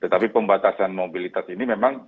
tetapi pembatasan mobilitas ini memang sudah diberikan